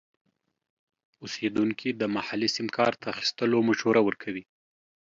اوسیدونکي د محلي سیم کارت اخیستلو مشوره ورکوي.